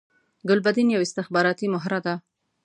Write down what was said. ګلبدین یوه استخباراتی مهره ده